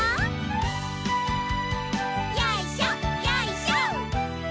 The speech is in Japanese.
よいしょよいしょ。